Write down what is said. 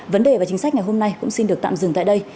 vấn đề và chính sách ngày hôm nay cũng xin được tạm dừng tại đây